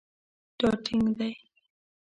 دا ټینګ دی